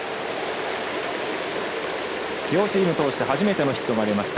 両チーム通して初めてのヒットが生まれました。